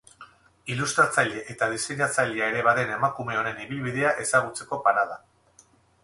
Ilustratzaile eta diseinatzailea ere baden emakume honen ibilbidea ezagutzeko parada.